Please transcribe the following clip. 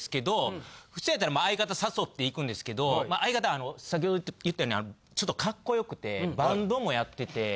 普通やったら相方誘って行くんですけど相方先ほど言ったようにちょっとカッコよくてバンドもやってて。